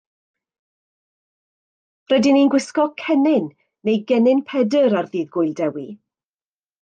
Rydyn ni'n gwisgo cennin neu gennin Pedr ar Ddydd Gŵyl Dewi.